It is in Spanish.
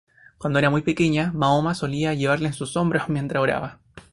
Cuando era muy pequeña, Mahoma solía llevarla en sus hombros mientras oraba.